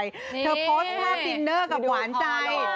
เธอโพสต์ภาพดินเนอร์กับหวานใจ